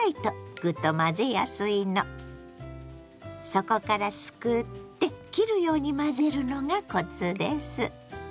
底からすくって切るように混ぜるのがコツです。